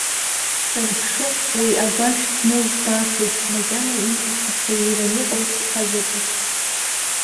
Санԥшы, уи агәашә днылзбаахит макьана имиц, аха ииран иҟоу сԥа заҵәы.